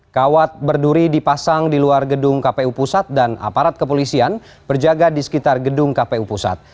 kawat berduri dipasang di luar gedung kpu pusat dan aparat kepolisian berjaga di sekitar gedung kpu pusat